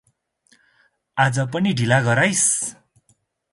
आज पनि ढिला घर आईस्?